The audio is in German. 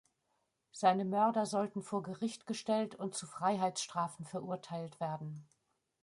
Seine Mörder sollten vor Gericht gestellt und zu Freiheitsstrafen verurteilt werden.